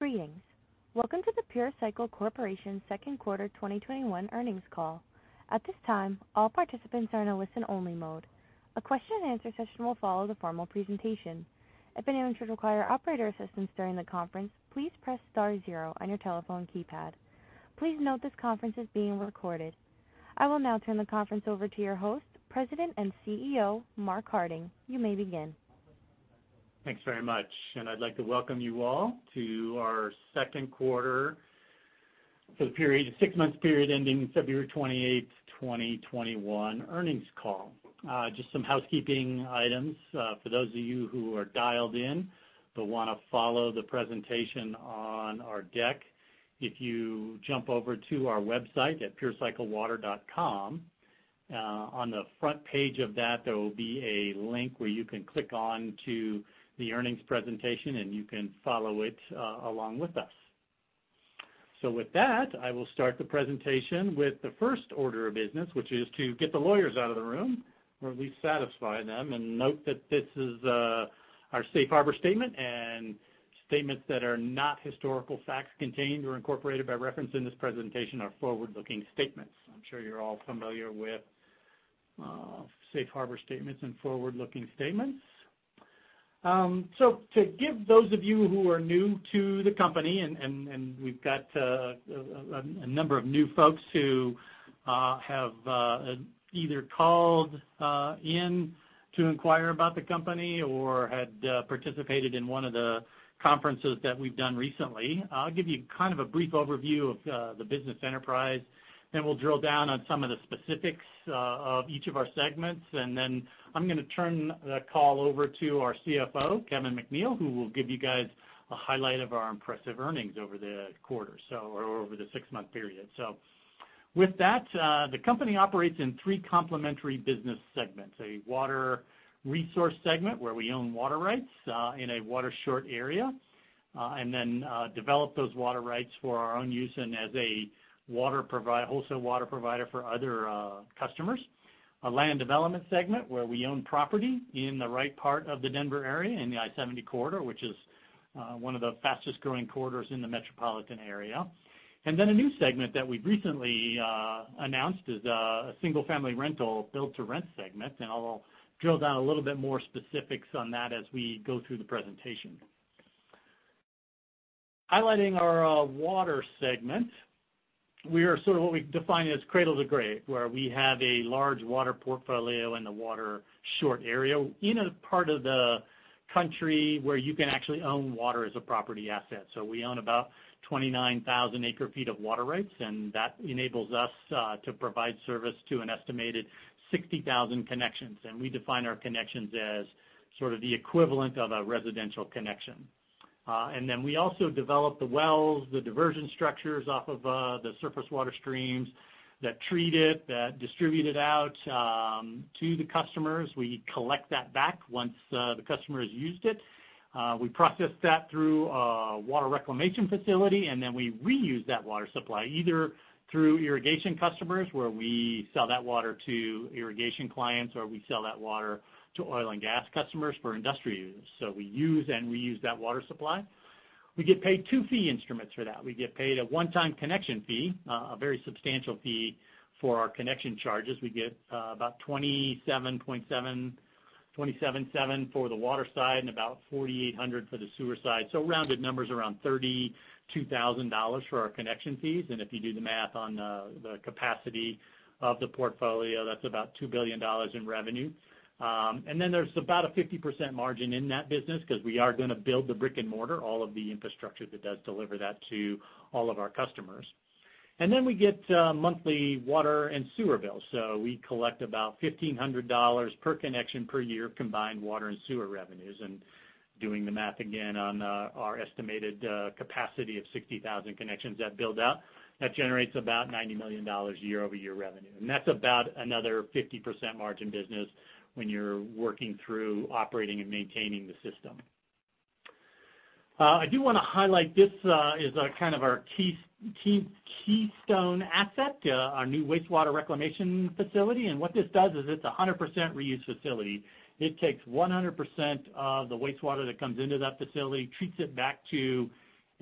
Greetings. Welcome to the Pure Cycle Corporation second quarter 2021 earnings call. At this time, all participants are in a listen only mode. A question-and-answer session will follow the formal presentation. If anyone should require operator assistance during the conference, please press star zero on your telephone keypad. Please note this conference is being recorded. I will now turn the conference over to your host, President and CEO, Mark Harding. You may begin. Thanks very much. I'd like to welcome you all to our second quarter for the six-month period ending February 28th, 2021 earnings call. Just some housekeeping items. For those of you who are dialed in but want to follow the presentation on our deck, if you jump over to our website at purecyclewater.com, on the front page of that, there will be a link where you can click on to the earnings presentation. You can follow it along with us. With that, I will start the presentation with the first order of business, which is to get the lawyers out of the room, or at least satisfy them. Note that this is our safe harbor statement and statements that are not historical facts contained or incorporated by reference in this presentation are forward-looking statements. I'm sure you're all familiar with safe harbor statements and forward-looking statements. To give those of you who are new to the company, and we've got a number of new folks who have either called in to inquire about the company or had participated in one of the conferences that we've done recently, I'll give you a brief overview of the business enterprise. We'll drill down on some of the specifics of each of our segments. I'm going to turn the call over to our CFO, Kevin McNeill, who will give you guys a highlight of our impressive earnings over the quarter, or over the six-month period. With that, the company operates in three complementary business segments, a water resource segment where we own water rights in a water-short area, and then develop those water rights for our own use and as a wholesale water provider for other customers. A land development segment where we own property in the right part of the Denver area in the I-70 corridor, which is one of the fastest growing corridors in the metropolitan area. Then a new segment that we've recently announced is a single-family rental Build-to-Rent segment, and I'll drill down a little bit more specifics on that as we go through the presentation. Highlighting our water segment, we are sort of what we define as cradle to grave, where we have a large water portfolio in the water-short area in a part of the country where you can actually own water as a property asset. We own about 29,000 acre-feet of water rights, and that enables us to provide service to an estimated 60,000 connections, and we define our connections as sort of the equivalent of a residential connection. We also develop the wells, the diversion structures off of the surface water streams that treat it, that distribute it out to the customers. We collect that back once the customer has used it. We process that through a water reclamation facility, we reuse that water supply either through irrigation customers, where we sell that water to irrigation clients, or we sell that water to oil and gas customers for industrial use. We use and reuse that water supply. We get paid two fee instruments for that. We get paid a one-time connection fee, a very substantial fee for our connection charges. We get about $27.7 for the water side and about $4,800 for the sewer side. Rounded numbers around $32,000 for our connection fees. If you do the math on the capacity of the portfolio, that's about $2 billion in revenue. There's about a 50% margin in that business because we are going to build the brick and mortar, all of the infrastructure that does deliver that to all of our customers. We collect about $1,500 per connection per year combined water and sewer revenues. Doing the math again on our estimated capacity of 60,000 connections that build out, that generates about $90 million year-over-year revenue. That's about another 50% margin business when you're working through operating and maintaining the system. I do want to highlight, this is our keystone asset, our new wastewater reclamation facility. What this does is it's 100% reuse facility. It takes 100% of the wastewater that comes into that facility, treats it back to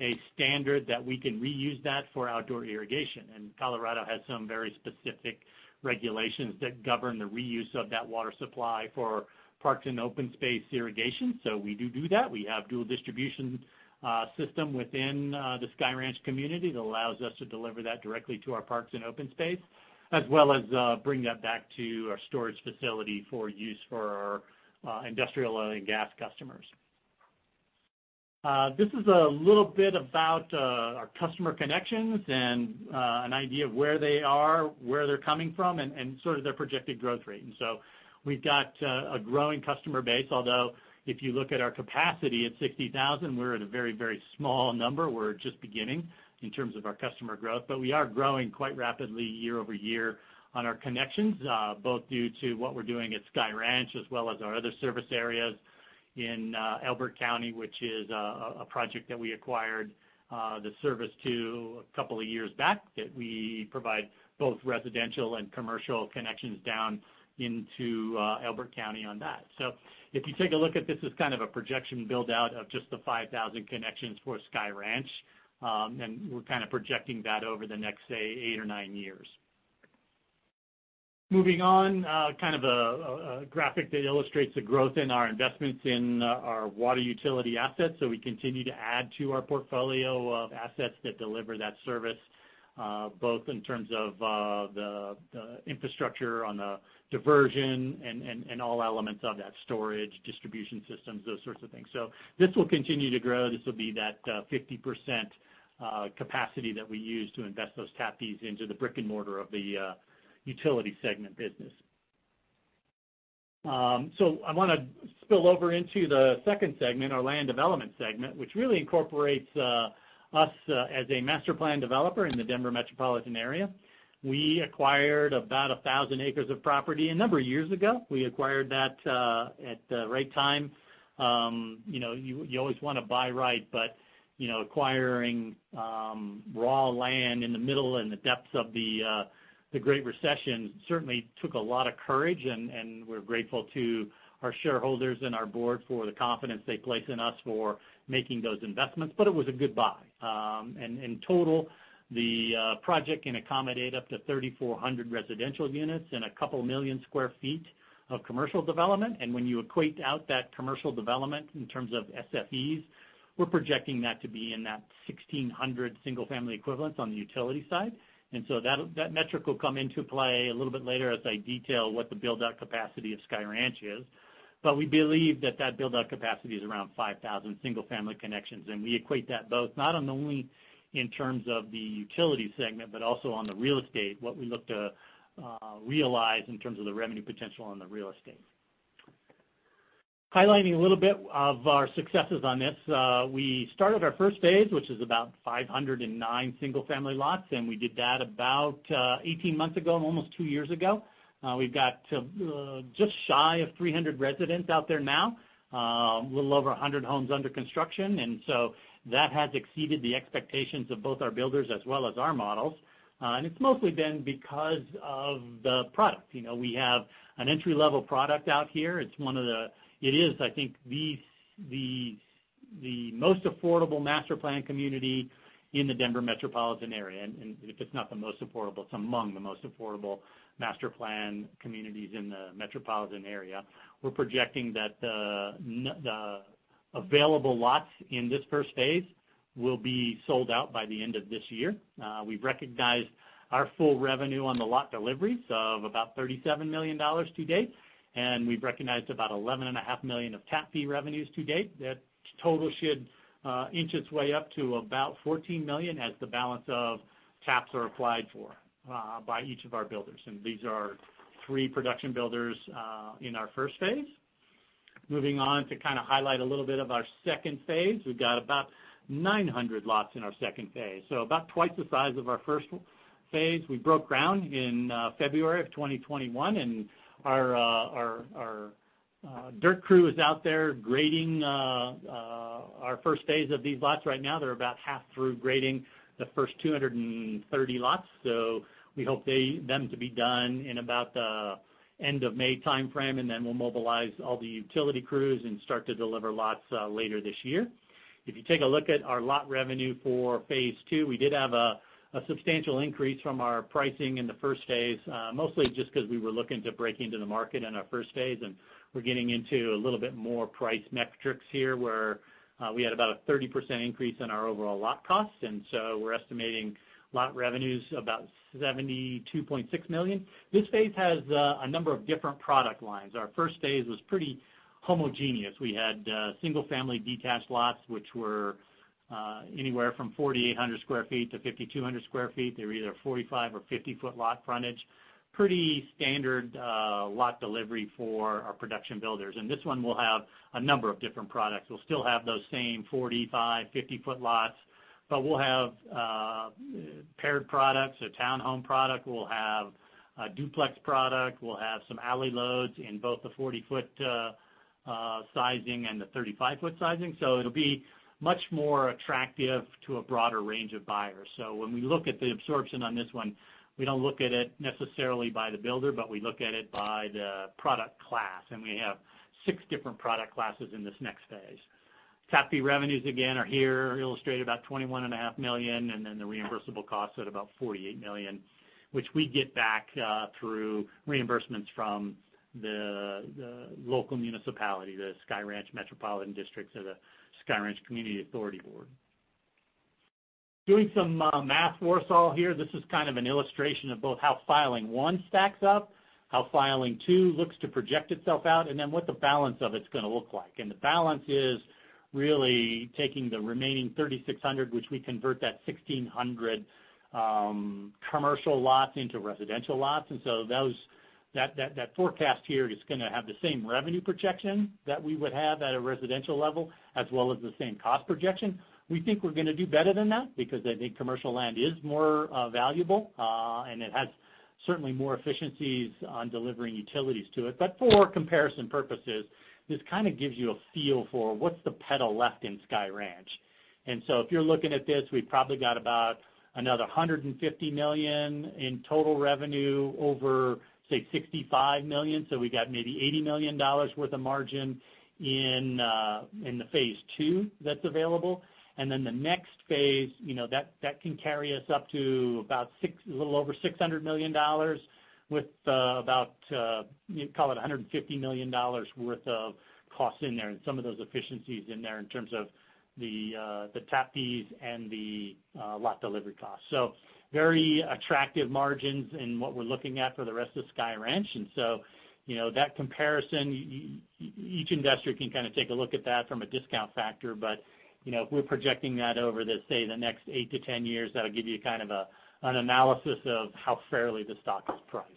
a standard that we can reuse that for outdoor irrigation. Colorado has some very specific regulations that govern the reuse of that water supply for parks and open space irrigation. We do that. We have dual distribution system within the Sky Ranch community that allows us to deliver that directly to our parks and open space, as well as bring that back to our storage facility for use for our industrial oil and gas customers. This is a little bit about our customer connections and an idea of where they are, where they're coming from, and sort of their projected growth rate. We've got a growing customer base, although if you look at our capacity at 60,000, we're at a very small number. We're just beginning in terms of our customer growth. We are growing quite rapidly year-over-year on our connections, both due to what we're doing at Sky Ranch as well as our other service areas in Elbert County, which is a project that we acquired the service to a couple of years back that we provide both residential and commercial connections down into Elbert County on that. If you take a look at this as kind of a projection build-out of just the 5,000 connections for Sky Ranch, and we're kind of projecting that over the next, say, eight or nine years. Moving on, kind of a graphic that illustrates the growth in our investments in our water utility assets. We continue to add to our portfolio of assets that deliver that service, both in terms of the infrastructure on the diversion and all elements of that storage, distribution systems, those sorts of things. This will continue to grow. This will be that 50% capacity that we use to invest those tap fees into the brick-and-mortar of the utility segment business. I want to spill over into the second segment, our land development segment, which really incorporates us as a master plan developer in the Denver metropolitan area. We acquired about 1,000 acres of property a number of years ago. We acquired that at the right time. You always want to buy right, acquiring raw land in the middle in the depths of the Great Recession, certainly took a lot of courage, and we're grateful to our shareholders and our board for the confidence they place in us for making those investments. It was a good buy. In total, the project can accommodate up to 3,400 residential units and a couple million square feet of commercial development. When you equate out that commercial development in terms of SFEs, we're projecting that to be in that 1,600 single-family equivalents on the utility side. That metric will come into play a little bit later as I detail what the build-out capacity of Sky Ranch is. We believe that build-out capacity is around 5,000 single-family connections, and we equate that both not only in terms of the utility segment but also on the real estate, what we look to realize in terms of the revenue potential on the real estate. Highlighting a little bit of our successes on this. We started our first phase, which is about 509 single-family lots, and we did that about 18 months ago, almost two years ago. We've got just shy of 300 residents out there now. A little over 100 homes under construction, that has exceeded the expectations of both our builders as well as our models. It's mostly been because of the product. We have an entry-level product out here. It is, I think, the most affordable master plan community in the Denver metropolitan area. If it's not the most affordable, it's among the most affordable master plan communities in the metropolitan area. We're projecting that the available lots in this first phase will be sold out by the end of this year. We've recognized our full revenue on the lot deliveries of about $37 million to date, and we've recognized about $11.5 million of tap fee revenues to date. That total should inch its way up to about $14 million as the balance of taps are applied for by each of our builders. These are three production builders in our first phase. Moving on to kind of highlight a little bit of our second phase. We've got about 900 lots in our second phase, so about twice the size of our first phase. We broke ground in February of 2021, and our dirt crew is out there grading our first phase of these lots right now. They're about half through grading the first 230 lots. We hope them to be done in about the end of May timeframe, and then we'll mobilize all the utility crews and start to deliver lots later this year. If you take a look at our lot revenue for phase II, we did have a substantial increase from our pricing in the first phase. Mostly just because we were looking to break into the market in our first phase, we're getting into a little bit more price metrics here, where we had about a 30% increase in our overall lot costs, we're estimating lot revenues about $72.6 million. This phase has a number of different product lines. Our first phase was pretty homogeneous. We had single-family detached lots, which were anywhere from 4,800 sq ft-5,200 sq ft. They were either 45 or 50-ft lot frontage. Pretty standard lot delivery for our production builders. This one will have a number of different products. We'll still have those same 45, 50-ft lots, we'll have paired products, a town home product, we'll have a duplex product, we'll have some alley loads in both the 40-ft sizing and the 35-ft sizing. It'll be much more attractive to a broader range of buyers. When we look at the absorption on this one, we don't look at it necessarily by the builder, but we look at it by the product class, and we have six different product classes in this next phase. Tap fee revenues, again, are here illustrated about $21.5 million, and then the reimbursable costs at about $48 million, which we get back through reimbursements from the local municipality, the Sky Ranch Metropolitan District or the Sky Ranch Community Authority Board. Doing some math for us all here. This is kind of an illustration of both how filing one stacks up, how filing two looks to project itself out, and then what the balance of it's going to look like. The balance is really taking the remaining 3,600, which we convert that 1,600 commercial lots into residential lots. That forecast here is going to have the same revenue projection that we would have at a residential level, as well as the same cost projection. We think we're going to do better than that because commercial land is more valuable, and it has certainly more efficiencies on delivering utilities to it. For comparison purposes, this kind of gives you a feel for what's the pedal left in Sky Ranch. If you're looking at this, we've probably got about another $150 million in total revenue over, say, $65 million. We got maybe $80 million worth of margin in the phase II that's available. Then the next phase, that can carry us up to a little over $600 million with about, call it $150 million worth of costs in there and some of those efficiencies in there in terms of the tap fees and the lot delivery costs. Very attractive margins in what we're looking at for the rest of Sky Ranch. So that comparison, each investor can kind of take a look at that from a discount factor. If we're projecting that over, let's say, the next eight to 10 years, that'll give you kind of an analysis of how fairly the stock is priced.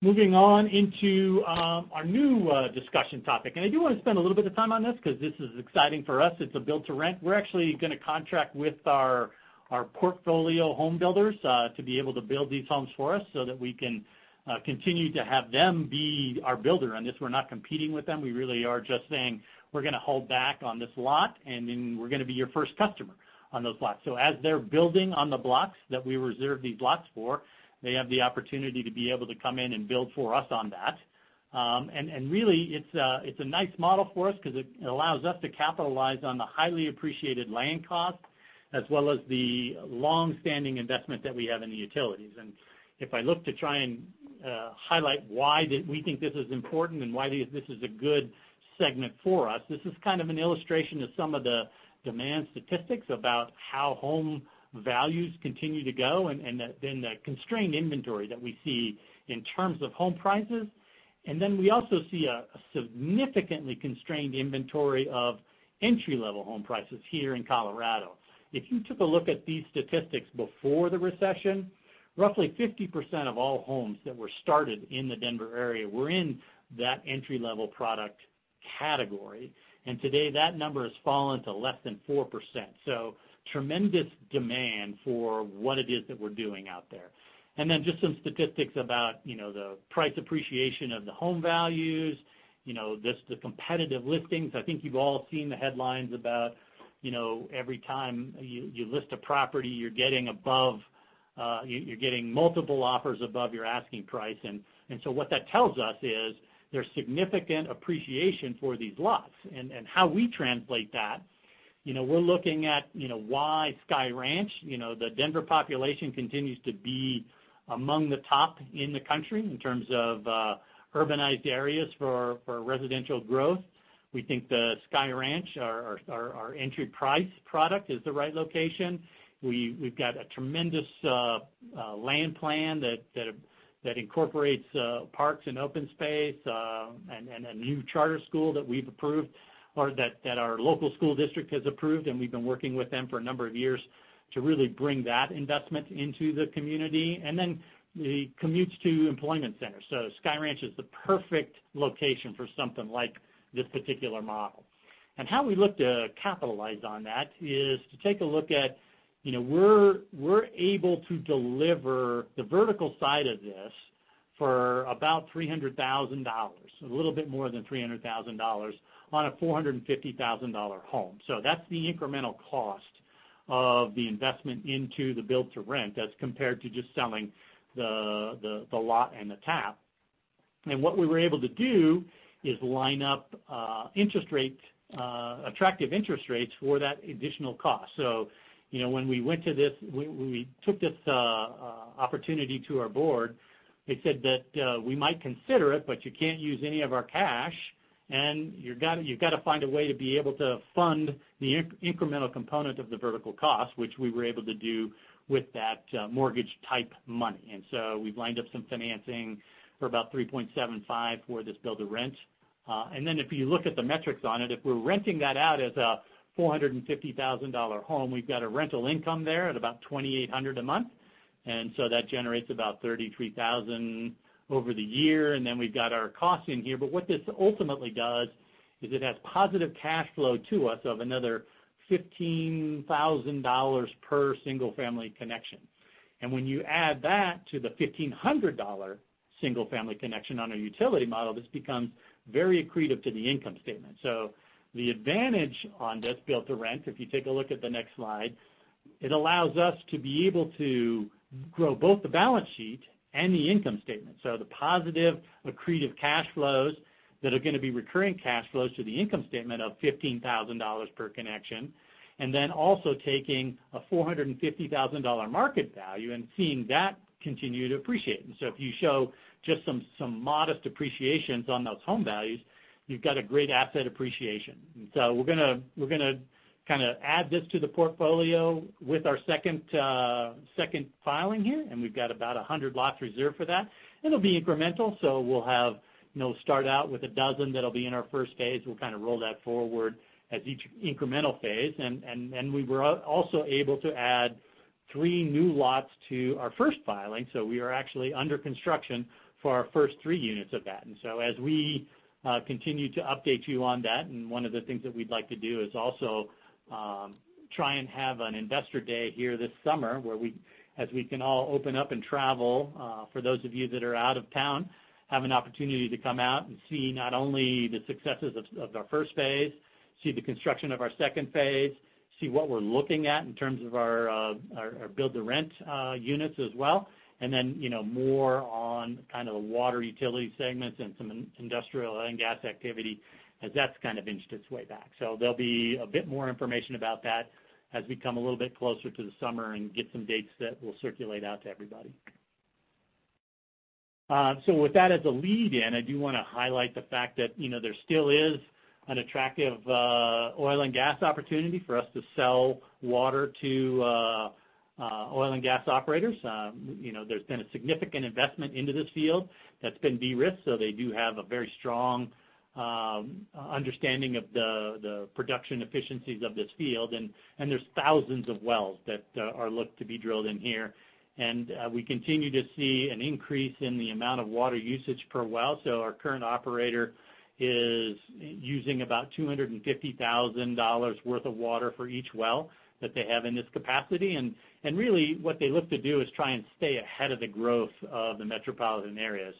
Moving on into our new discussion topic, and I do want to spend a little bit of time on this because this is exciting for us. It's a Build-to-Rent. We're actually going to contract with our portfolio home builders to be able to build these homes for us so that we can continue to have them be our builder on this. We're not competing with them. We really are just saying, we're going to hold back on this lot, and then we're going to be your first customer on those lots. As they're building on the blocks that we reserve these blocks for, they have the opportunity to be able to come in and build for us on that. Really, it's a nice model for us because it allows us to capitalize on the highly appreciated land cost, as well as the longstanding investment that we have in the utilities. If I look to try and highlight why we think this is important and why this is a good segment for us, this is kind of an illustration of some of the demand statistics about how home values continue to go, and then the constrained inventory that we see in terms of home prices. Then we also see a significantly constrained inventory of entry-level home prices here in Colorado. If you took a look at these statistics before the recession, roughly 50% of all homes that were started in the Denver area were in that entry-level product category. Today, that number has fallen to less than 4%. Tremendous demand for what it is that we're doing out there. Then just some statistics about the price appreciation of the home values, the competitive listings. I think you've all seen the headlines about every time you list a property, you're getting multiple offers above your asking price. What that tells us is there's significant appreciation for these lots. How we translate that, we're looking at why Sky Ranch. The Denver population continues to be among the top in the country in terms of urbanized areas for residential growth. We think the Sky Ranch, our entry price product, is the right location. We've got a tremendous land plan that incorporates parks and open space, and a new charter school that our local school district has approved, and we've been working with them for a number of years to really bring that investment into the community. The commutes to employment centers. Sky Ranch is the perfect location for something like this particular model. How we look to capitalize on that is to take a look at we're able to deliver the vertical side of this for about $300,000, a little bit more than $300,000 on a $450,000 home. That's the incremental cost of the investment into the Build-to-Rent as compared to just selling the lot and the tap. What we were able to do is line up attractive interest rates for that additional cost. When we took this opportunity to our board, they said that we might consider it, but you can't use any of our cash, and you've got to find a way to be able to fund the incremental component of the vertical cost, which we were able to do with that mortgage type money. We've lined up some financing for about 3.75 for this Build-to-Rent. If you look at the metrics on it, if we're renting that out as a $450,000 home, we've got a rental income there at about $2,800 a month. That generates about $33,000 over the year. We've got our costs in here. What this ultimately does is it adds positive cash flow to us of another $15,000 per single family connection. When you add that to the $1,500 single family connection on a utility model, this becomes very accretive to the income statement. The advantage on this Build-to-Rent, if you take a look at the next slide. It allows us to be able to grow both the balance sheet and the income statement. The positive accretive cash flows that are going to be recurring cash flows to the income statement of $15,000 per connection, and then also taking a $450,000 market value and seeing that continue to appreciate. If you show just some modest appreciations on those home values, you've got a great asset appreciation. We're going to add this to the portfolio with our second filing here, and we've got about 100 lots reserved for that. It'll be incremental, so we'll start out with 12 that'll be in our first phase. We'll roll that forward as each incremental phase. We were also able to add three new lots to our first filing, so we are actually under construction for our first three units of that. As we continue to update you on that, and one of the things that we'd like to do is also try and have an investor day here this summer, as we can all open up and travel, for those of you that are out of town, have an opportunity to come out and see not only the successes of our first phase, see the construction of our second phase, see what we're looking at in terms of our Build-to-Rent units as well, and then more on the water utility segments and some industrial oil and gas activity as that's inched its way back. There'll be a bit more information about that as we come a little bit closer to the summer and get some dates set, we'll circulate out to everybody. With that as a lead in, I do want to highlight the fact that there still is an attractive oil and gas opportunity for us to sell water to oil and gas operators. There's been a significant investment into this field that's been de-risked, so they do have a very strong understanding of the production efficiencies of this field, and there's thousands of wells that are looked to be drilled in here. We continue to see an increase in the amount of water usage per well. Our current operator is using about $250,000 worth of water for each well that they have in this capacity. Really what they look to do is try and stay ahead of the growth of the metropolitan area.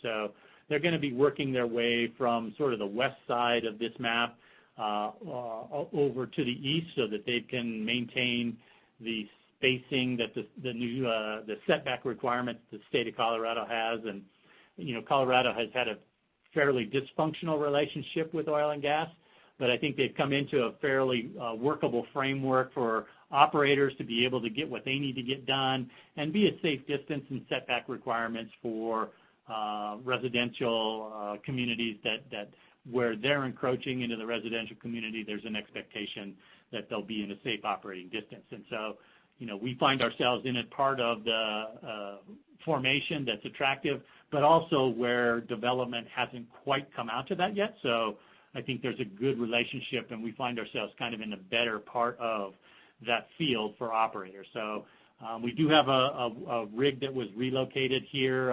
They're going to be working their way from the west side of this map over to the east so that they can maintain the spacing, the setback requirement the state of Colorado has. Colorado has had a fairly dysfunctional relationship with oil and gas, but I think they've come into a fairly workable framework for operators to be able to get what they need to get done and be a safe distance and setback requirements for residential communities, that where they're encroaching into the residential community, there's an expectation that they'll be in a safe operating distance. We find ourselves in a part of the formation that's attractive, but also where development hasn't quite come out to that yet. I think there's a good relationship, and we find ourselves in a better part of that field for operators. We do have a rig that was relocated here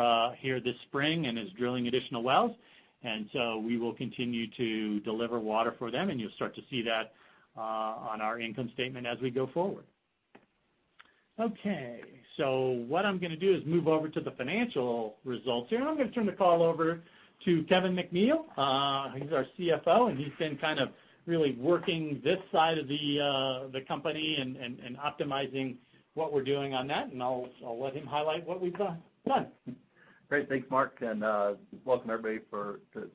this spring and is drilling additional wells, and so we will continue to deliver water for them, and you'll start to see that on our income statement as we go forward. Okay. What I'm going to do is move over to the financial results here, and I'm going to turn the call over to Kevin McNeill. He's our CFO, and he's been really working this side of the company and optimizing what we're doing on that, and I'll let him highlight what we've done. Great. Thanks, Mark, and welcome, everybody.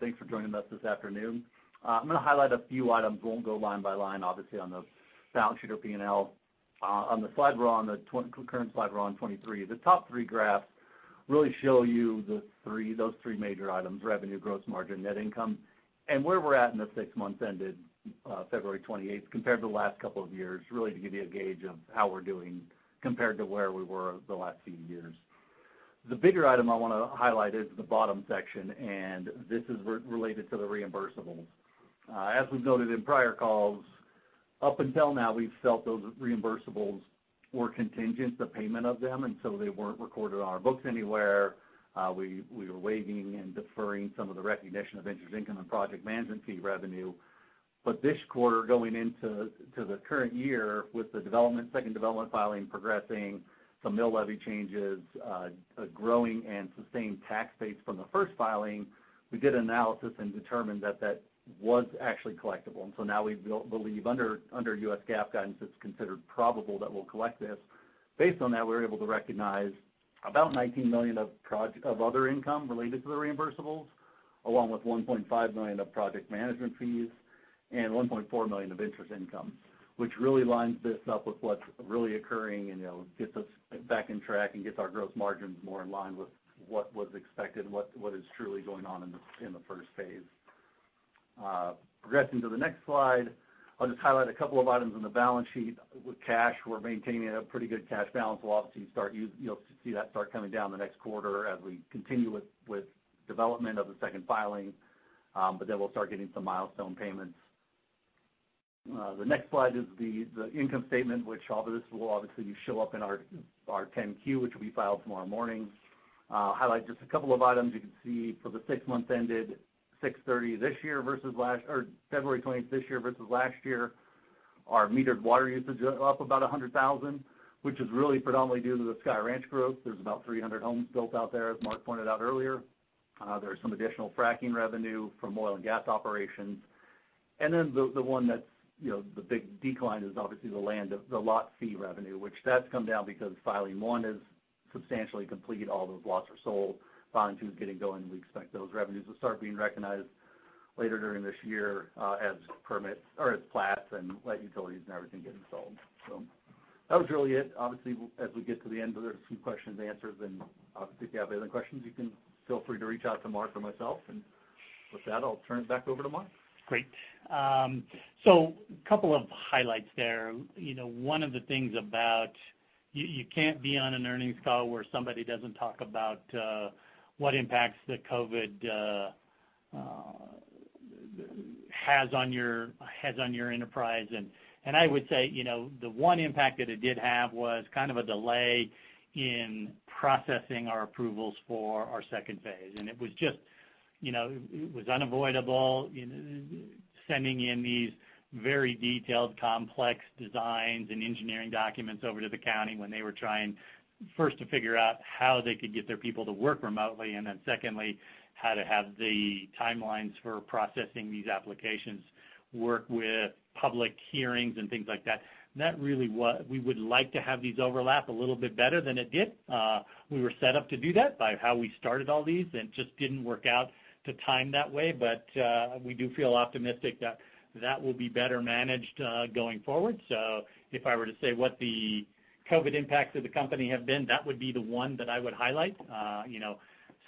Thanks for joining us this afternoon. I'm going to highlight a few items. Won't go line by line, obviously, on the balance sheet or P&L. On the current slide we're on, 23, the top three graphs really show you those three major items, revenue, gross margin, net income, and where we're at in the six months ended February 28th compared to the last couple of years, really to give you a gauge of how we're doing compared to where we were the last few years. The bigger item I want to highlight is the bottom section, this is related to the reimbursables. As we've noted in prior calls, up until now, we've felt those reimbursables were contingent, the payment of them, they weren't recorded on our books anywhere. We were waiving and deferring some of the recognition of interest income and project management fee revenue. This quarter, going into the current year with the second development filing progressing, some mill levy changes, a growing and sustained tax base from the first filing, we did an analysis and determined that that was actually collectible. Now we believe under U.S. GAAP guidance, it's considered probable that we'll collect this. Based on that, we were able to recognize about $19 million of other income related to the reimbursables, along with $1.5 million of project management fees and $1.4 million of interest income, which really lines this up with what's really occurring and gets us back on track and gets our gross margins more in line with what was expected and what is truly going on in the first phase. Progressing to the next slide, I'll just highlight a couple of items on the balance sheet. With cash, we're maintaining a pretty good cash balance. We'll obviously see that start coming down the next quarter as we continue with development of the second filing, we'll start getting some milestone payments. The next slide is the income statement, which all this will obviously show up in our 10-Q, which we file tomorrow morning. Highlight just a couple of items you can see for the six months ended February 28th this year versus last year. Our metered water usage is up about 100,000, which is really predominantly due to the Sky Ranch growth. There's about 300 homes built out there, as Mark pointed out earlier. There's some additional fracking revenue from oil and gas operations. Then the one that's the big decline is obviously the land, the lot fee revenue, which that's come down because Filing one is substantially complete. All those lots are sold. Filing two is getting going, and we expect those revenues to start being recognized later during this year as permits or as plats and let utilities and everything getting sold. That was really it. Obviously, as we get to the end, there's a few questions, answers. If you have any other questions, you can feel free to reach out to Mark or myself. With that, I'll turn it back over to Mark. Great. A couple of highlights there. One of the things about, you can't be on an earnings call where somebody doesn't talk about what impacts the COVID has on your enterprise. I would say, the one impact that it did have was kind of a delay in processing our approvals for our second phase. It was unavoidable sending in these very detailed, complex designs and engineering documents over to the county when they were trying, first, to figure out how they could get their people to work remotely, and then secondly, how to have the timelines for processing these applications work with public hearings and things like that. We would like to have these overlap a little bit better than it did. We were set up to do that by how we started all these, and it just didn't work out to time that way. We do feel optimistic that will be better managed going forward. If I were to say what the COVID impacts of the company have been, that would be the one that I would highlight.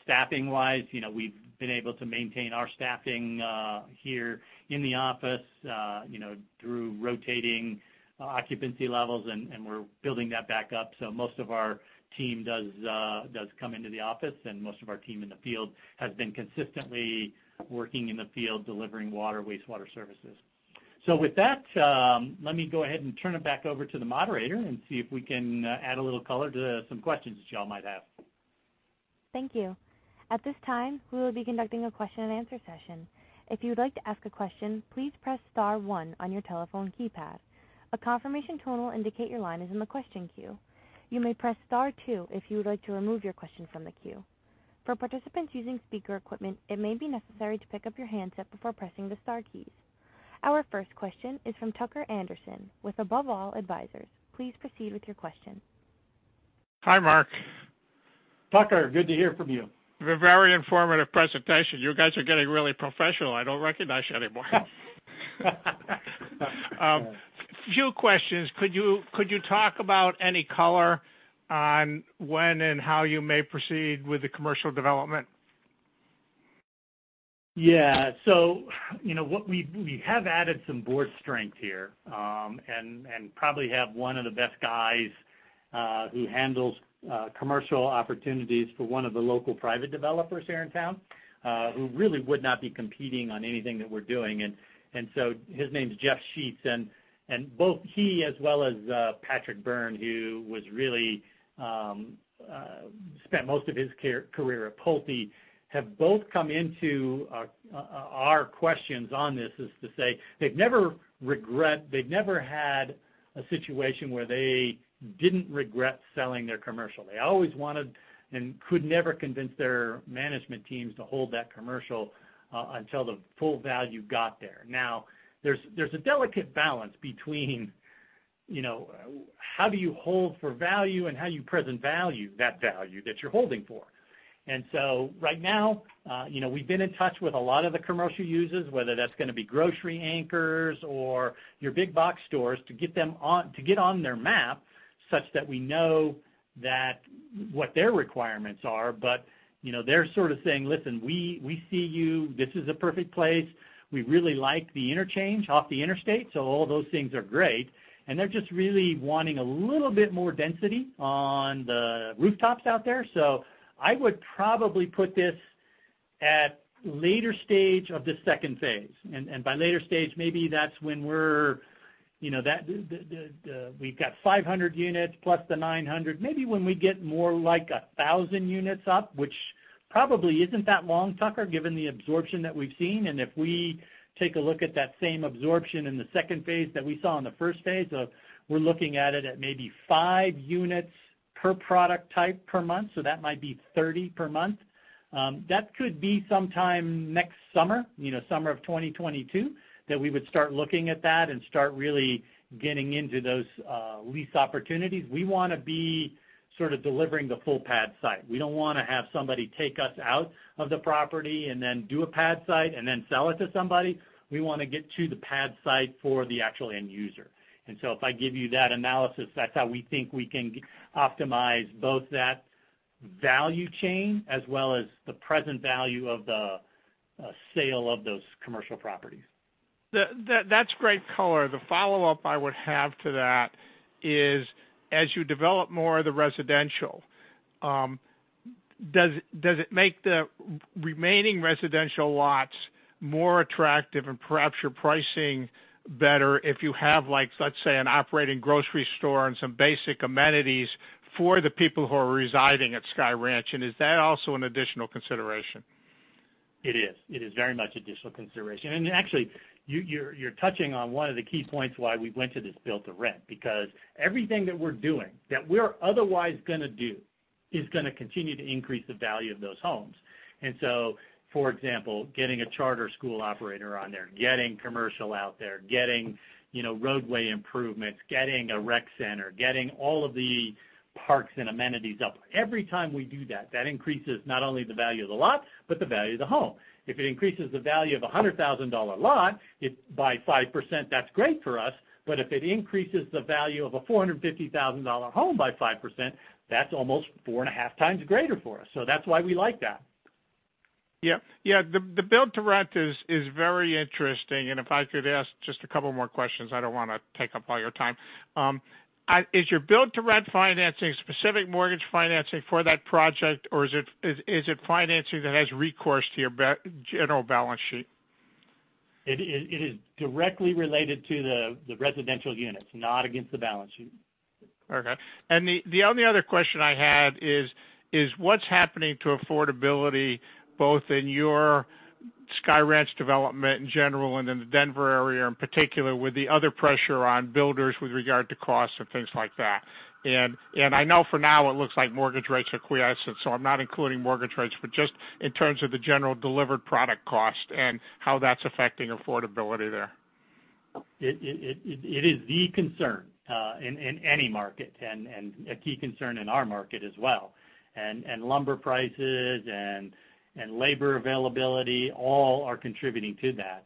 Staffing wise, we've been able to maintain our staffing here in the office through rotating occupancy levels, and we're building that back up. Most of our team does come into the office, and most of our team in the field has been consistently working in the field delivering water and wastewater services. With that, let me go ahead and turn it back over to the moderator and see if we can add a little color to some questions that you all might have. Thank you. At this time, we will be conducting a question-and-answer session. If you would like to ask a question, please press star one on your telephone keypad. A confirmation tone will indicate your line is in the question queue. You may press star two if you would like to remove your question from the queue. For participants using speaker equipment, it may be necessary to pick up your handset before pressing the star keys. Our first question is from Tucker Andersen with Above All Advisors. Please proceed with your question. Hi, Mark. Tucker, good to hear from you. Very informative presentation. You guys are getting really professional. I don't recognize you anymore. A few questions. Could you talk about any color on when and how you may proceed with the commercial development? Yeah. We have added some board strength here, and probably have one of the best guys who handles commercial opportunities for one of the local private developers here in town, who really would not be competing on anything that we're doing. His name's Jeff Sheets, and both he as well as Patrick Beirne, who spent most of his career at Pulte, have both come into our questions on this as to say they've never had a situation where they didn't regret selling their commercial. They always wanted and could never convince their management teams to hold that commercial until the full value got there. Now, there's a delicate balance between how do you hold for value and how you present value, that value that you're holding for. Right now, we've been in touch with a lot of the commercial users, whether that's going to be grocery anchors or your big box stores, to get on their map such that we know what their requirements are. They're sort of saying, Listen, we see you. This is a perfect place. We really like the interchange off the interstate. All those things are great, and they're just really wanting a little bit more density on the rooftops out there. I would probably put this at later stage of the second phase. By later stage, maybe that's when we've got 500 units plus the 900. Maybe when we get more like 1,000 units up, which probably isn't that long, Tucker, given the absorption that we've seen. If we take a look at that same absorption in the second phase that we saw in the first phase of, we're looking at it at maybe five units per product type per month. That might be 30 per month. That could be sometime next summer of 2022, that we would start looking at that and start really getting into those lease opportunities. We want to be sort of delivering the full pad site. We don't want to have somebody take us out of the property and then do a pad site and then sell it to somebody. We want to get to the pad site for the actual end user. If I give you that analysis, that's how we think we can optimize both that value chain as well as the present value of the sale of those commercial properties. That's great color. The follow-up I would have to that is, as you develop more of the residential, does it make the remaining residential lots more attractive and perhaps your pricing better if you have, let's say, an operating grocery store and some basic amenities for the people who are residing at Sky Ranch? Is that also an additional consideration? It is. It is very much additional consideration. You're touching on one of the key points why we went to this Build-to-Rent, because everything that we're doing that we're otherwise going to do is going to continue to increase the value of those homes. For example, getting a charter school operator on there, getting commercial out there, getting roadway improvements, getting a rec center, getting all of the parks and amenities up. Every time we do that increases not only the value of the lot but the value of the home. If it increases the value of a $100,000 lot by 5%, that's great for us, but if it increases the value of a $450,000 home by 5%, that's almost four and a half times greater for us. That's why we like that. Yep. The Build-to-Rent is very interesting. If I could ask just a couple more questions, I don't want to take up all your time. Is your Build-to-Rent financing specific mortgage financing for that project, or is it financing that has recourse to your general balance sheet? It is directly related to the residential units, not against the balance sheet. Okay. The only other question I had is what's happening to affordability, both in your Sky Ranch development in general and in the Denver area in particular, with the other pressure on builders with regard to costs and things like that? I know for now it looks like mortgage rates have quiesced, so I'm not including mortgage rates, but just in terms of the general delivered product cost and how that's affecting affordability there. It is the concern in any market, a key concern in our market as well. Lumber prices and labor availability all are contributing to that.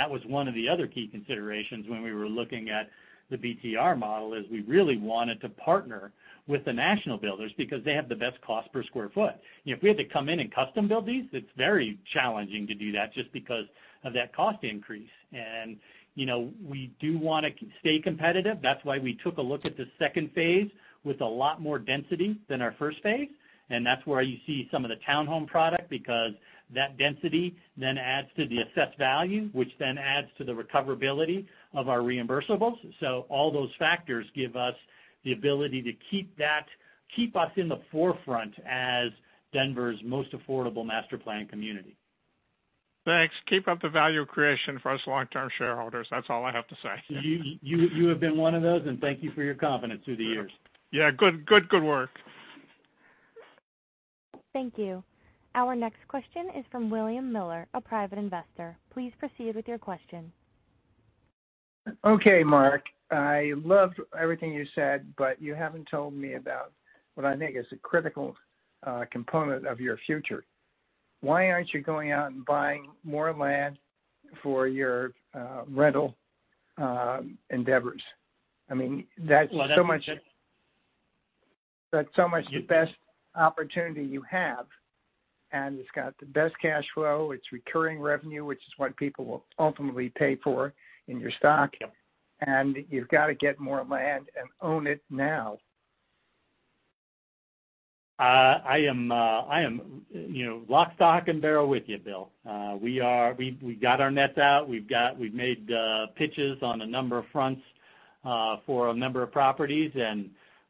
That was one of the other key considerations when we were looking at the BTR model, is we really wanted to partner with the national builders because they have the best cost per square foot. If we had to come in and custom-build these, it's very challenging to do that just because of that cost increase. We do want to stay competitive. That's why we took a look at the second phase with a lot more density than our first phase. That's where you see some of the town home product, because that density then adds to the assessed value, which then adds to the recoverability of our reimbursables. All those factors give us the ability to keep us in the forefront as Denver's most affordable master planned community. Thanks. Keep up the value creation for us long-term shareholders. That's all I have to say. You have been one of those, and thank you for your confidence through the years. Yeah. Good work. Thank you. Our next question is from William Miller, a private investor. Please proceed with your question. Okay, Mark, I loved everything you said, you haven't told me about what I think is a critical component of your future. Why aren't you going out and buying more land for your rental endeavors? Well, that was it. that's so much the best opportunity you have, and it's got the best cash flow. It's recurring revenue, which is what people will ultimately pay for in your stock. Yep. You've got to get more land and own it now. I am lock, stock, and barrel with you, Bill. We got our nets out. We've made pitches on a number of fronts for a number of properties.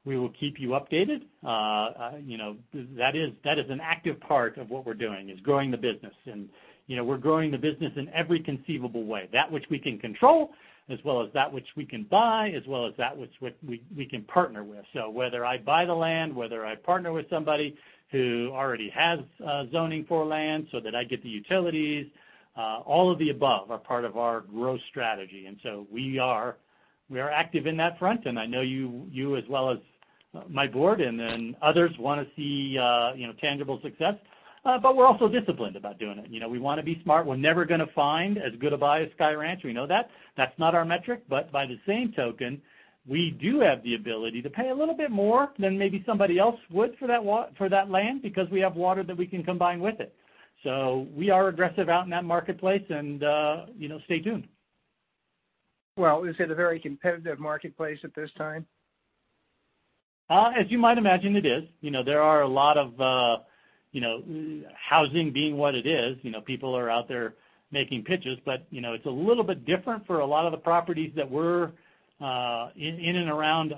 We will keep you updated. That is an active part of what we're doing, is growing the business. We're growing the business in every conceivable way, that which we can control, as well as that which we can buy, as well as that which we can partner with. Whether I buy the land, whether I partner with somebody who already has zoning for land so that I get the utilities, all of the above are part of our growth strategy. We are active on that front, and I know you as well as my board and then others want to see tangible success. We're also disciplined about doing it. We want to be smart. We're never going to find as good a buy as Sky Ranch. We know that. That's not our metric. By the same token, we do have the ability to pay a little bit more than maybe somebody else would for that land because we have water that we can combine with it. We are aggressive out in that marketplace, and stay tuned. Well, is it a very competitive marketplace at this time? As you might imagine, it is. There are a lot of housing being what it is, people are out there making pitches, it's a little bit different for a lot of the properties that were in and around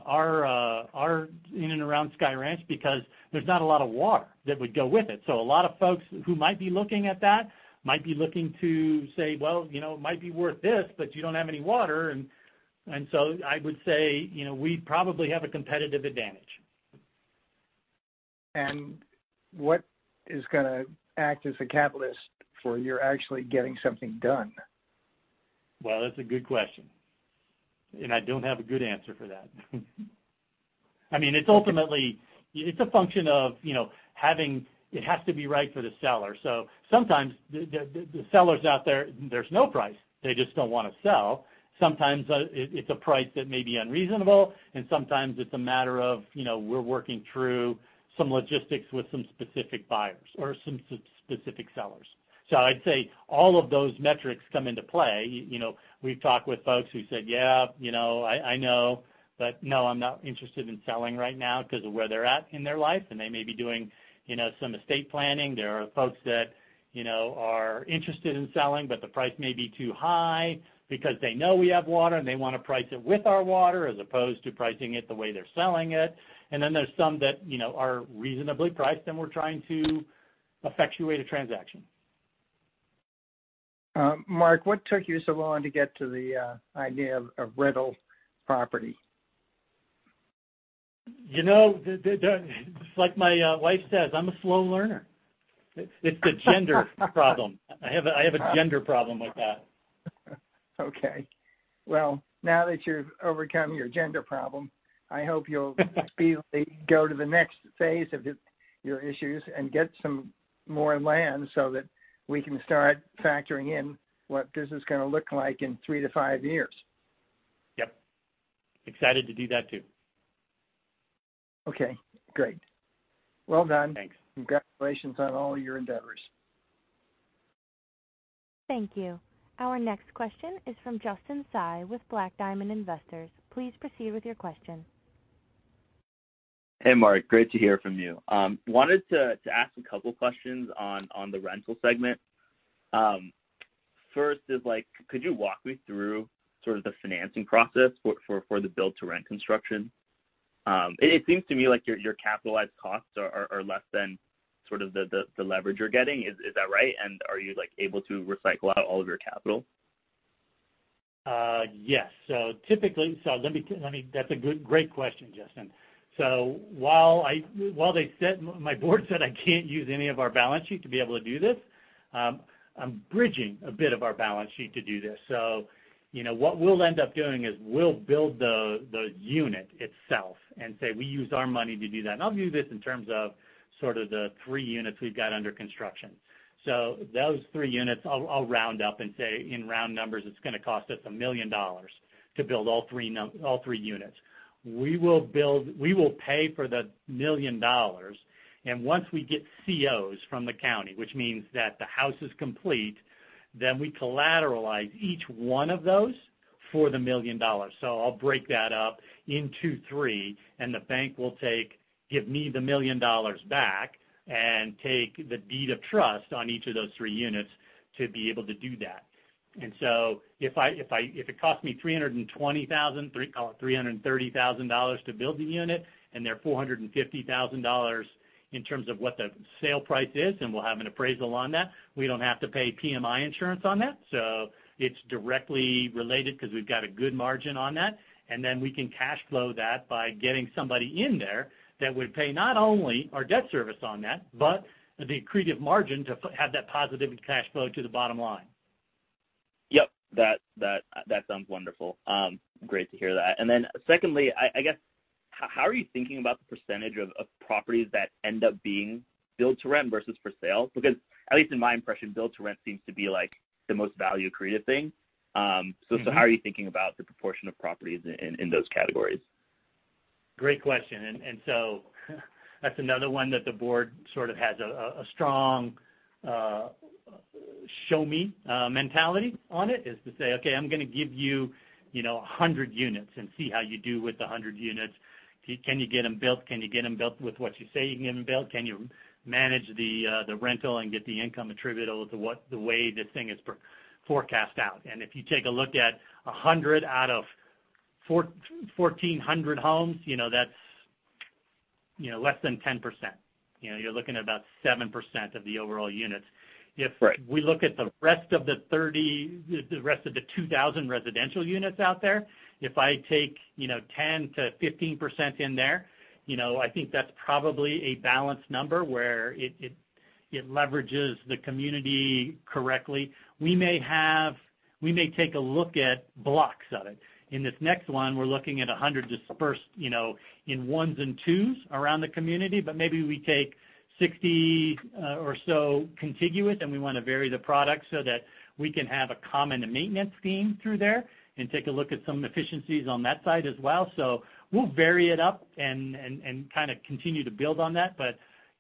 Sky Ranch because there's not a lot of water that would go with it. A lot of folks who might be looking at that might be looking to say, Well, it might be worth this, but you don't have any water. I would say, we probably have a competitive advantage. What is going to act as a catalyst for your actually getting something done? Well, that's a good question, and I don't have a good answer for that. It's ultimately a function of it has to be right for the seller. Sometimes the sellers out there's no price. They just don't want to sell. Sometimes it's a price that may be unreasonable, and sometimes it's a matter of we're working through some logistics with some specific buyers or some specific sellers. I'd say all of those metrics come into play. We've talked with folks who said, Yeah, I know, but no, I'm not interested in selling right now, because of where they're at in their life, and they may be doing some estate planning. There are folks that are interested in selling, but the price may be too high because they know we have water, and they want to price it with our water as opposed to pricing it the way they're selling it. There's some that are reasonably priced, and we're trying to effectuate a transaction. Mark, what took you so long to get to the idea of rental property? You know, like my wife says, I'm a slow learner. It's a gender problem. I have a gender problem with that. Okay. Well, now that you've overcome your gender problem, I hope you'll speedily go to the next phase of your issues and get some more land so that we can start factoring in what this is going to look like in three to five years. Yep. Excited to do that too. Okay, great. Well done. Thanks. Congratulations on all your endeavors. Thank you. Our next question is from Justin Xei with Black Diamond Investors. Please proceed with your question. Hey, Mark. Great to hear from you. Wanted to ask a couple questions on the rental segment. First is, could you walk me through sort of the financing process for the Build-to-Rent construction? It seems to me like your capitalized costs are less than sort of the leverage you're getting. Is that right? Are you, like, able to recycle out all of your capital? Yes. That's a good, great question, Justin. While my board said I can't use any of our balance sheet to be able to do this, I'm bridging a bit of our balance sheet to do this. What we'll end up doing is we'll build the unit itself and say we use our money to do that. I'll use this in terms of sort of the three units we've got under construction. Those three units, I'll round up and say in round numbers, it's going to cost us $1 million to build all three units. We will pay for the $1 million, and once we get COs from the county, which means that the house is complete, then we collateralize each one of those for the $1 million. I'll break that up into three, and the bank will give me the $1 million back and take the deed of trust on each of those three units to be able to do that. If it costs me $320,000, $330,000 to build the unit, and they're $450,000 in terms of what the sale price is, and we'll have an appraisal on that, we don't have to pay PMI insurance on that. It's directly related because we've got a good margin on that, and then we can cash flow that by getting somebody in there that would pay not only our debt service on that, but the accretive margin to have that positive cash flow to the bottom line. Yep. That sounds wonderful. Great to hear that. Then secondly, I guess, how are you thinking about the percentage of properties that end up being Build-to-Rent versus for sale? Because at least in my impression, Build-to-Rent seems to be like the most value accretive thing. How are you thinking about the proportion of properties in those categories? Great question. That's another one that the board sort of has a strong show me mentality on it, is to say, Okay, I'm going to give you 100 units and see how you do with 100 units. Can you get them built? Can you get them built with what you say you can get them built? Can you manage the rental and get the income attributable to the way this thing is forecast out? If you take a look at 100 out of 1,400 homes, that's less than 10%. You're looking at about 7% of the overall units. Right. If we look at the rest of the 2,000 residential units out there, if I take 10%-15% in there, I think that's probably a balanced number where it leverages the community correctly. We may take a look at blocks of it. In this next one, we're looking at 100 dispersed in ones and twos around the community. Maybe we take 60 or so contiguous. We want to vary the product so that we can have a common maintenance theme through there and take a look at some efficiencies on that side as well. We'll vary it up and kind of continue to build on that.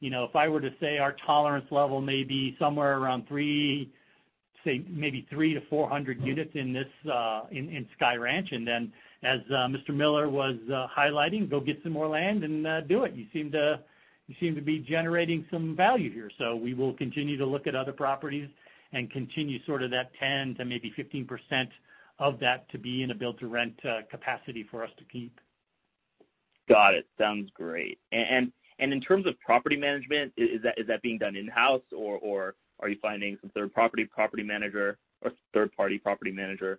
If I were to say our tolerance level may be somewhere around, say, maybe 300-400 units in Sky Ranch. As Mr. Miller was highlighting, go get some more land and do it. You seem to be generating some value here. We will continue to look at other properties and continue sort of that 10% to maybe 15% of that to be in a Build-to-Rent capacity for us to keep. Got it. Sounds great. In terms of property management, is that being done in-house, or are you finding some third-party property manager? For the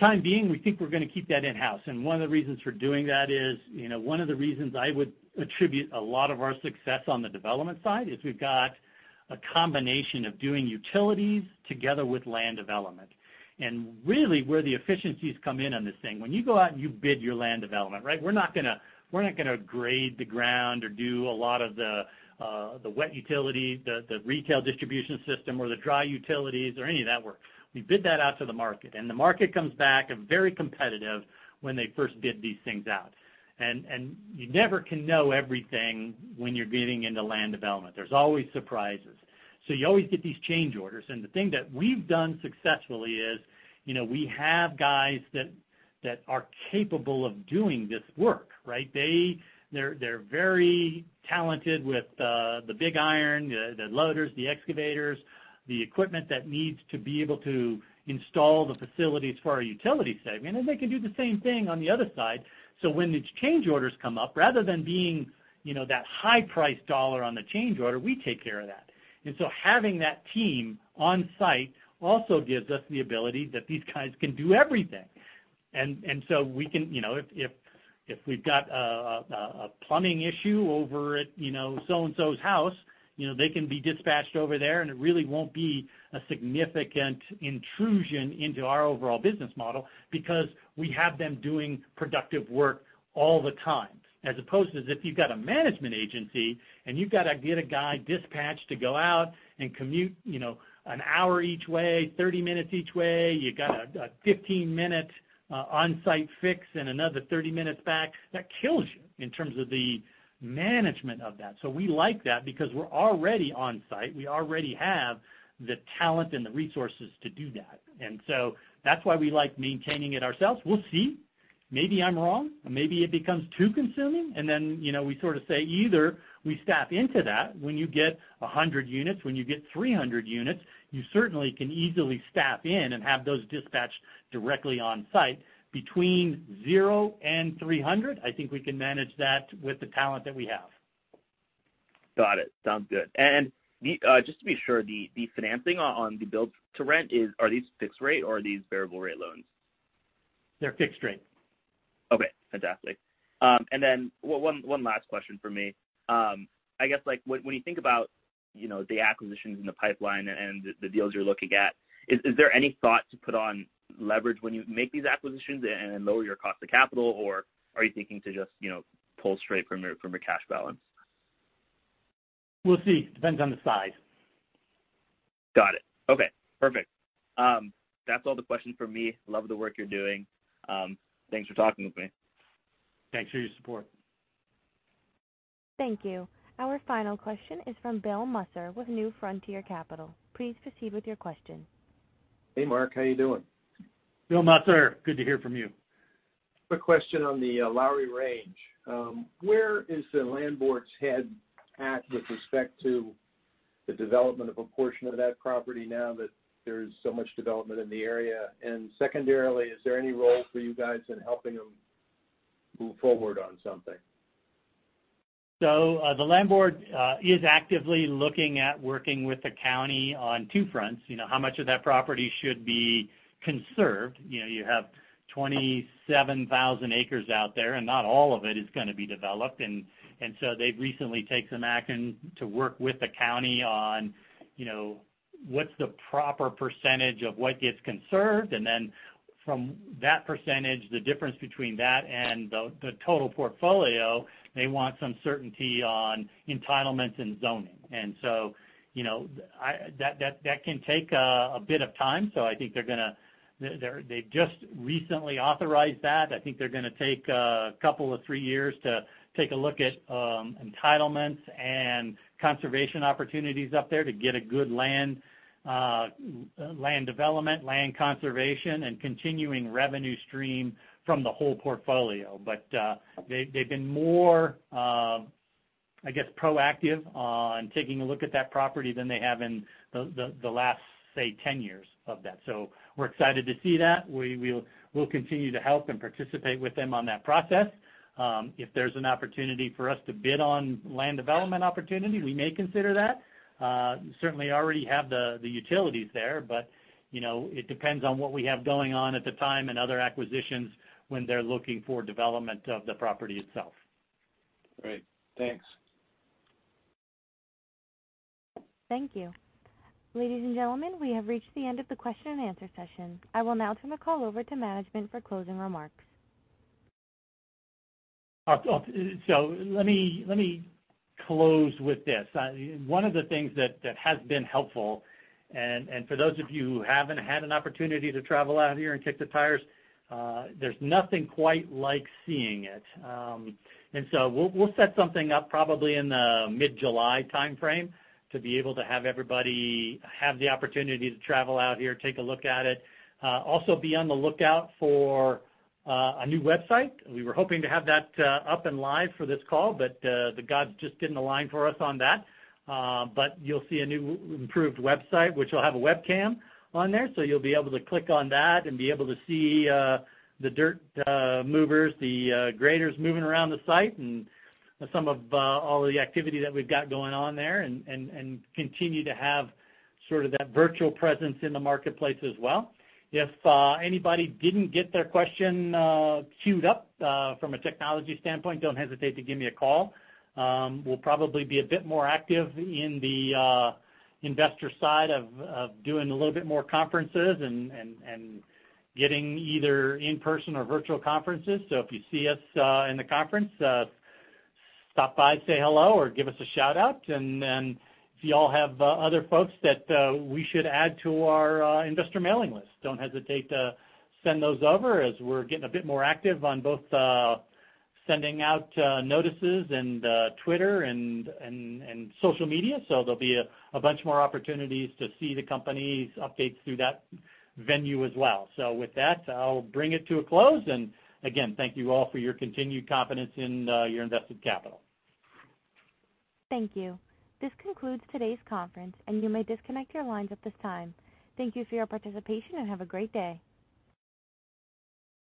time being, we think we're going to keep that in-house. One of the reasons for doing that is, one of the reasons I would attribute a lot of our success on the development side is we've got a combination of doing utilities together with land development. Really, where the efficiencies come in on this thing, when you go out and you bid your land development, right, we're not going to grade the ground or do a lot of the wet utility, the retail distribution system, or the dry utilities or any of that work. We bid that out to the market, and the market comes back and very competitive when they first bid these things out. You never can know everything when you're getting into land development. There's always surprises. You always get these change orders. The thing that we've done successfully is, we have guys that are capable of doing this work, right? They're very talented with the big iron, the loaders, the excavators, the equipment that needs to be able to install the facilities for our utility segment, and they can do the same thing on the other side. When these change orders come up, rather than being that high price dollar on the change order, we take care of that. Having that team on-site also gives us the ability that these guys can do everything. If we've got a plumbing issue over at so-and-so's house, they can be dispatched over there, and it really won't be a significant intrusion into our overall business model because we have them doing productive work all the time. As opposed to, if you've got a management agency, and you've got to get a guy dispatched to go out and commute an hour each way, 30 minutes each way, you got a 15-minute on-site fix and another 30 minutes back, that kills you in terms of the management of that. We like that because we're already on-site. We already have the talent and the resources to do that. That's why we like maintaining it ourselves. We'll see. Maybe I'm wrong. Maybe it becomes too consuming, we sort of say, either we staff into that. When you get 100 units, when you get 300 units, you certainly can easily staff in and have those dispatched directly on-site. Between zero and 300, I think we can manage that with the talent that we have. Got it. Sounds good. Just to be sure, the financing on the Build-to-Rent, are these fixed rate or are these variable rate loans? They're fixed rate. Okay, fantastic. One last question from me. I guess when you think about the acquisitions in the pipeline and the deals you're looking at, is there any thought to put on leverage when you make these acquisitions and lower your cost of capital, or are you thinking to just pull straight from your cash balance? We'll see. Depends on the size. Got it. Okay, perfect. That's all the questions from me. Love the work you're doing. Thanks for talking with me. Thanks for your support. Thank you. Our final question is from Bill Musser with New Frontier Capital. Please proceed with your question. Hey, Mark. How you doing? Bill Musser, good to hear from you. Quick question on the Lowry Range. Where is the land board's head at with respect to the development of a portion of that property now that there's so much development in the area? Secondarily, is there any role for you guys in helping them move forward on something? The land board is actively looking at working with the county on two fronts. How much of that property should be conserved? You have 27,000 acres out there, and not all of it is going to be developed. They've recently taken some action to work with the county on what's the proper percentage of what gets conserved. Then from that percentage, the difference between that and the total portfolio, they want some certainty on entitlements and zoning. That can take a bit of time. I think they've just recently authorized that. I think they're going to take a couple of three years to take a look at entitlements and conservation opportunities up there to get a good land development, land conservation, and continuing revenue stream from the whole portfolio. They've been more, I guess, proactive on taking a look at that property than they have in the last, say, 10 years of that. We're excited to see that. We'll continue to help and participate with them on that process. If there's an opportunity for us to bid on land development opportunity, we may consider that. Certainly, already have the utilities there, but it depends on what we have going on at the time and other acquisitions when they're looking for development of the property itself. Great. Thanks. Thank you. Ladies and gentlemen, we have reached the end of the question-and-answer session. I will now turn the call over to management for closing remarks. Let me close with this. One of the things that has been helpful, and for those of you who haven't had an opportunity to travel out here and kick the tires, there's nothing quite like seeing it. We'll set something up probably in the mid-July timeframe to be able to have everybody have the opportunity to travel out here, take a look at it. Also, be on the lookout for a new website. We were hoping to have that up and live for this call, but the gods just didn't align for us on that. You'll see a new improved website, which will have a webcam on there. You'll be able to click on that and be able to see the dirt movers, the graders moving around the site, and some of all of the activity that we've got going on there and continue to have sort of that virtual presence in the marketplace as well. If anybody didn't get their question queued up from a technology standpoint, don't hesitate to give me a call. We'll probably be a bit more active in the investor side of doing a little bit more conferences and getting either in-person or virtual conferences. If you see us in the conference, stop by, say hello, or give us a shout-out. If you all have other folks that we should add to our investor mailing list, don't hesitate to send those over as we're getting a bit more active on both sending out notices and Twitter and social media. There'll be a bunch more opportunities to see the company's updates through that venue as well. With that, I'll bring it to a close. Again, thank you all for your continued confidence in your invested capital. Thank you. This concludes today's conference, and you may disconnect your lines at this time. Thank you for your participation, and have a great day.